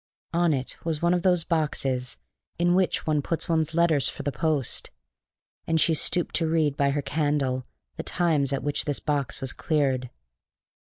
On it was one of those boxes in which one puts one's letters for the post; and she stooped to read by her candle the times at which this box was cleared.